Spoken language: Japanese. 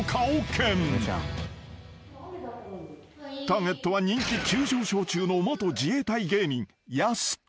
［ターゲットは人気急上昇中の元自衛隊芸人］